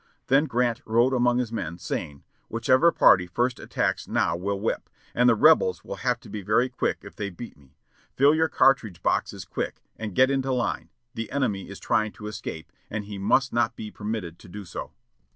Then Grant rode among his men, saying, "Whichever party first attacks now will whip, and the rebels will have to be very quick if they beat me.... Fill your cartridge boxes quick, and get into line; the enemy is trying to escape, and he must not be permitted to do so."